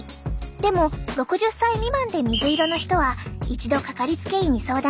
でも６０歳未満で水色の人は一度かかりつけ医に相談してね。